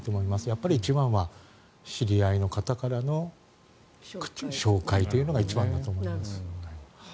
やっぱり一番は知り合いの方からの紹介というのが一番だと思います。